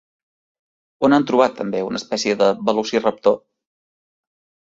On han trobat també una espècie de Velociraptor?